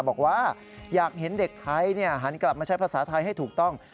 บอกว่าอยากเห็นเด็กไทยหันกลับมาใช้ภาษาไทยให้ถูกต้อง